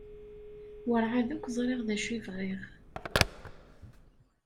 Werɛad akk ẓriɣ d acu i bɣiɣ.